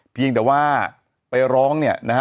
เพียงแต่ว่าไปร้องเนี่ยนะฮะ